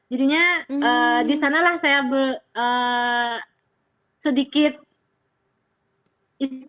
jadinya di sanalah saya sedikit istilahnya